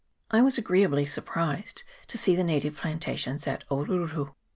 I was agreeably surprised to see the native plant ations at Oruru.